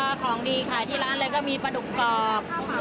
ก็ของดีขายที่ร้านเลยก็มีปลาดุกกรอบ